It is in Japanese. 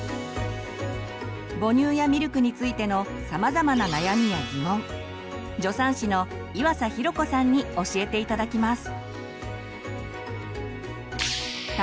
母乳やミルクについてのさまざまな悩みやギモン助産師の岩佐寛子さんに教えて頂きます。